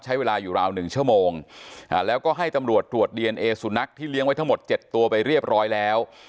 ใช้เวลาอยู่ราวหนึ่งชั่วโมงแล้วก็ให้ตำรวจตรวจดีเอนเอสุนัขที่เลี้ยงไว้ทั้งหมดเจ็ดตัวไปเรียบร้อยแล้ว